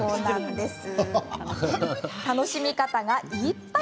楽しみ方がいっぱい！